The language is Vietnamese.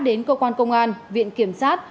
đến cơ quan công an viện kiểm sát